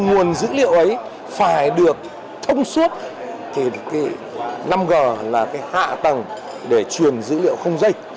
nguồn dữ liệu ấy phải được thông suốt thì cái năm g là cái hạ tầng để truyền dữ liệu không dây